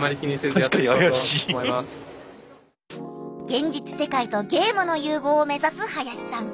現実世界とゲームの融合を目指す林さん。